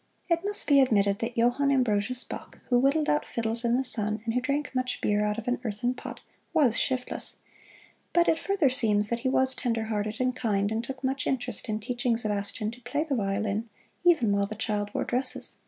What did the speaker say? It must be admitted that Johann Ambrosius Bach, who whittled out fiddles in the sun, and who drank much beer out of an earthen pot, was shiftless, but it further seems that he was tender hearted and kind and took much interest in teaching Sebastian to play the violin, even while the child wore dresses.